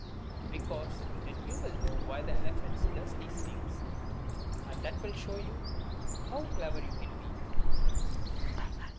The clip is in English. Because then you will know why the elephant does these things and that will show you how clever you can be!